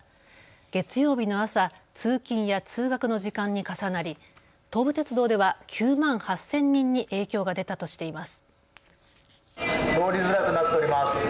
月曜日の朝、通勤や通学の時間に重なり東武鉄道では９万８０００人に影響が出たとしています。